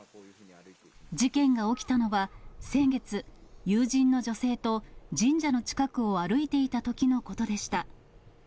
事件が起きたのは先月、友人の女性と神社の近くを歩いていたときのことでした。